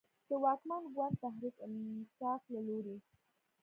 د واکمن ګوند تحریک انصاف له لورې